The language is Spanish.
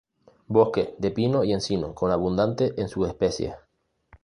Bosque de pino y encino con abundante en subespecies.